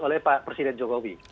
oleh pak presiden jokowi